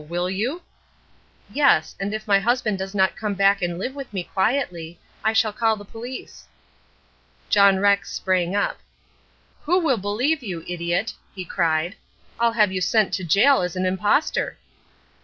Will you?" "Yes; and if my husband does not come back and live with me quietly, I shall call the police." John Rex sprang up. "Who will believe you, idiot?" he cried. "I'll have you sent to gaol as an impostor."